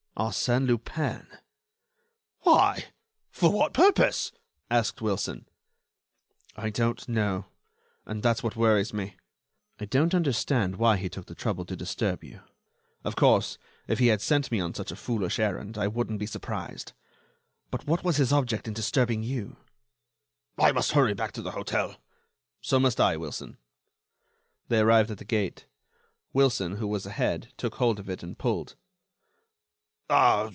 "Arsène Lupin." "Why? For what purpose?" asked Wilson. "I don't know, and that's what worries me. I don't understand why he took the trouble to disturb you. Of course, if he had sent me on such a foolish errand I wouldn't be surprised; but what was his object in disturbing you?" "I must hurry back to the hotel." "So must I, Wilson." They arrived at the gate. Wilson, who was ahead, took hold of it and pulled.